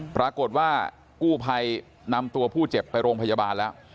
ปรากฏว่ากู้ภัยนำตัวผู้เจ็บไปโรงพยาบาลแล้ว